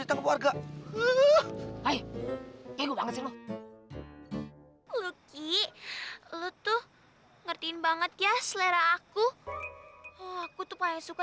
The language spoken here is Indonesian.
datang keluarga hai gue banget sih lu lu ki lu tuh ngertiin banget ya selera aku aku tuh paling suka